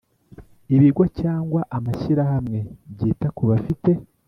Ibigo cyangwa amashyirahamwe byita ku bafite